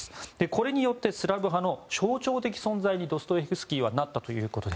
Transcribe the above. これによって、スラブ派の象徴的存在にドストエフスキーはなりました。